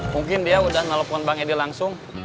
mungkin dia udah nelfon bang edi langsung